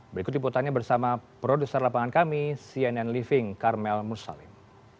berikut liputannya bersama produser lapangan kami cnn living karmel mursalim